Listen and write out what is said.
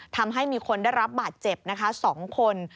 ทำให้มีคนได้รับบาดเจ็บนะคะ๒คน